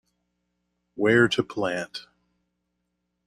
Where to Plant.